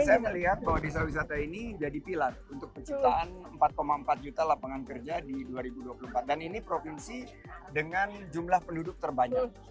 saya melihat bahwa desa wisata ini jadi pilar untuk penciptaan empat empat juta lapangan kerja di dua ribu dua puluh empat dan ini provinsi dengan jumlah penduduk terbanyak